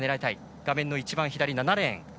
画面の一番左、７レーン。